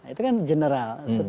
itu kan general